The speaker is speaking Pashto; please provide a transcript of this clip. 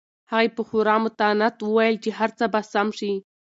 هغې په خورا متانت وویل چې هر څه به سم شي.